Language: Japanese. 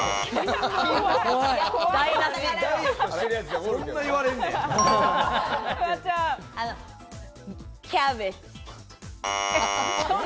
フワちゃん。